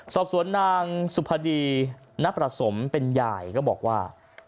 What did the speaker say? สอบสวนนางสุพดีณประสมเป็นยายก็บอกว่า